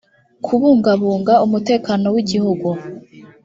kubungabunga umutekano w igihugu